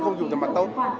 không dùng tiền mặt tốt